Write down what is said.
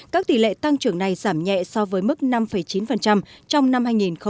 các tỷ lệ tăng trưởng này giảm nhẹ so với mức năm chín trong năm hai nghìn một mươi tám